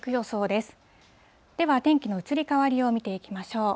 では、天気の移り変わりを見ていきましょう。